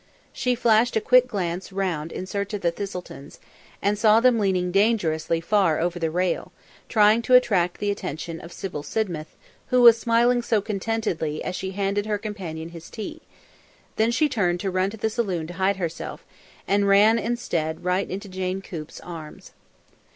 She flashed a quick glance round in search of the Thistletons, and saw them leaning dangerously far over the rail, trying to attract the attention of Sybil Sidmouth, who was smiling so contentedly as she handed her companion his tea; then she turned to run to the saloon to hide herself, and ran, instead, right into Jane Coop's arms.